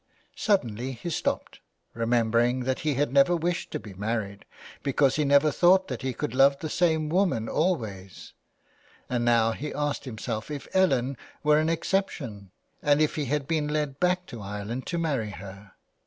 Suddenly he stopped, remembering that he had never wished to be married, because he never thought that he could love the same woman always, and now he asked himself if Ellen were an exception, and if he had been led back to Ireland to marry her.